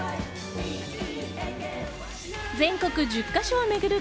全国１０か所を巡る